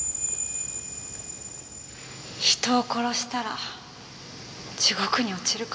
人を殺したら地獄に落ちるかしら。